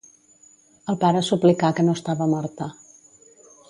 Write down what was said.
El pare suplicà que no estava morta.